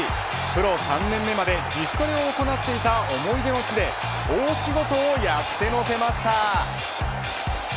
プロ３年目まで自主トレを行っていた思い出の地で大仕事をやってのけました。